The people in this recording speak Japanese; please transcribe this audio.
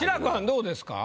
どうですか？